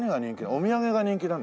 お土産が人気なんですか？